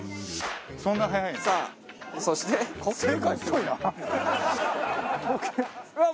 そんな早いの？